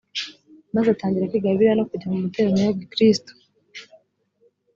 maze atangira kwiga bibiliya no kujya mu materaniro ya gikristo